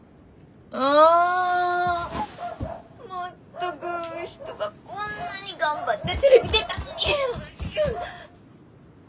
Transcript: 全く人がこんなに頑張ってテレビ出たのに。